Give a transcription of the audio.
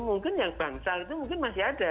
mungkin yang bangsal itu mungkin masih ada